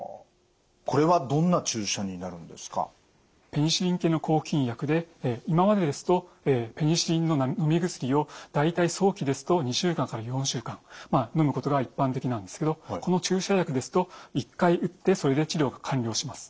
ペニシリン系の抗菌薬で今までですとペニシリンののみ薬を大体早期ですと２週間から４週間のむことが一般的なんですけどこの注射薬ですと１回うってそれで治療が完了します。